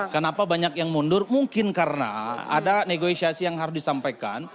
kenapa banyak yang mundur mungkin karena ada negosiasi yang harus disampaikan